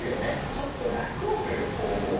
ちょっと楽をする方法を一緒に。